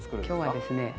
今日はですね